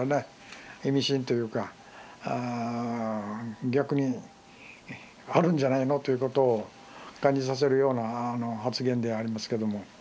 意味深というか逆にあるんじゃないのということを感じさせるような発言でありますけども。